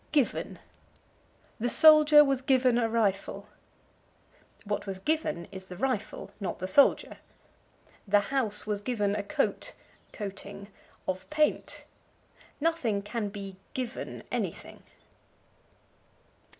Given. "The soldier was given a rifle." What was given is the rifle, not the soldier. "The house was given a coat (coating) of paint." Nothing can be "given" anything.